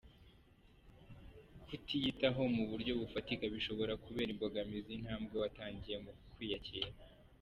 Kutiyitaho mu buryo bufatika bishobora kubera imbogamizi intambwe watangiye mu kwiyakira.